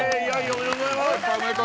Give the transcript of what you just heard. ありがとうございます。